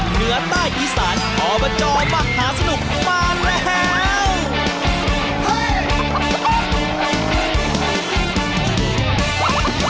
เหนือใต้อีสานอบจมหาสนุกมาแล้ว